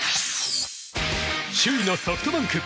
首位のソフトバンク。